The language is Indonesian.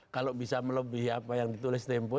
kalau bisa melebihi apa yang ditulis tempo